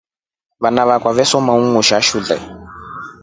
Wana wakwa wasoma undusha shule.